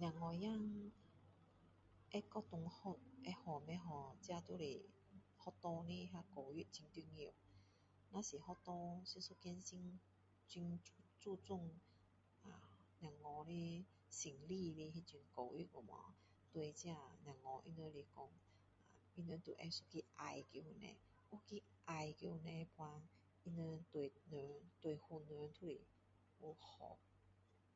小孩子会跟同学好不好这就是学校的教育很重要如果学校是一间很注重呃小孩的心里的那种教育有没有对小孩他们来讲他们都会想待在哪里如果有个爱在那边他们对人对每个人都是